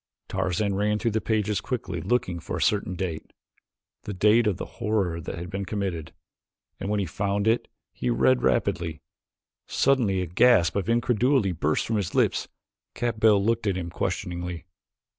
Tarzan ran through the pages quickly looking for a certain date the date that the horror had been committed and when he found it he read rapidly. Suddenly a gasp of incredulity burst from his lips. Capell looked at him questioningly.